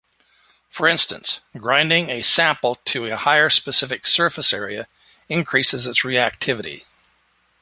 For instance, grinding a sample to a higher specific surface area increases its reactivity.